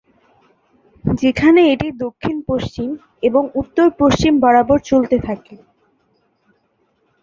যেখানে এটি দক্ষিণ-পশ্চিম এবং উত্তর-পশ্চিম বরাবর চলতে থাকে।